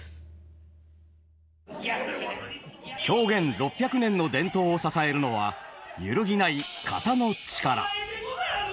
狂言６００年の伝統を支えるのは揺るぎない「型」の力。